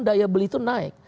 daya beli itu naik